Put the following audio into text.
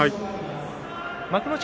幕内